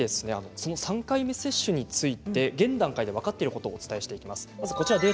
その３回目接種について現段階で分かっていることをお伝えします。